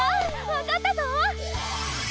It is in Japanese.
わかったぞ！